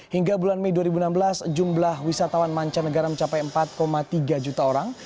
hingga bulan mei dua ribu enam belas jumlah wisatawan mancanegara mencapai empat tiga juta orang